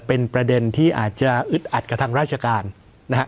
เป็นประเด็นที่อาจจะอึดอัดกับทางราชการนะฮะ